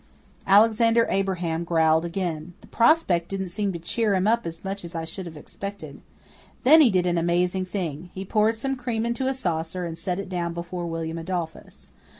Alexander Abraham growled again. The prospect didn't seem to cheer him up as much as I should have expected. Then he did an amazing thing. He poured some cream into a saucer and set it down before William Adolphus.